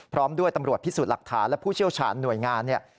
พร้อมด้วยตำรวจพิสูจน์หลักฐานและผู้เชี่ยวชาญหน่วยงานเนี่ย